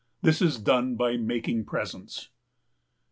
This is done by making presents.